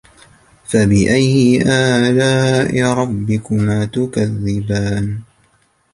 فبأي آلاء ربكما تكذبان